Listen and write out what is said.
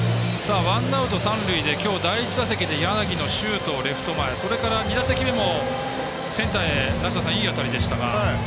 ワンアウト、三塁で今日、第１打席で柳のシュートをレフト前それから２打席目もセンターへいい当たりでしたが。